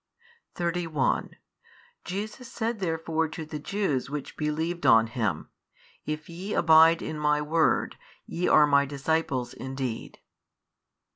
31 Jesus said therefore to the Jews which believed on Him, If YE abide in My word, ye are My disciples indeed.